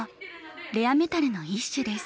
レアメタルの一種です。